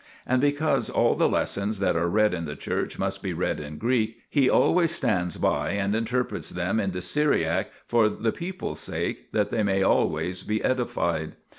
And because all the lessons that are read in the church must be read in Greek, he always stands by and interprets them into Syriac, for the people's sake, that they may always be edified.